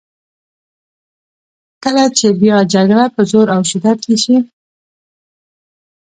کله چې بیا جګړه په زور او شدت کې شي.